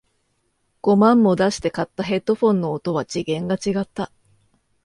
五万も出して買ったヘッドフォンの音は次元が違った